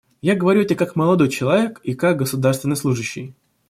Я говорю это как молодой человек и как государственный служащий.